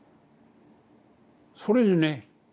それでね